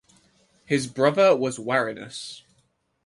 His brother was Warinus.